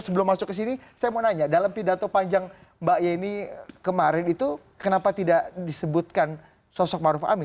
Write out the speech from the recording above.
sebelum masuk ke sini saya mau nanya dalam pidato panjang mbak yeni kemarin itu kenapa tidak disebutkan sosok maruf amin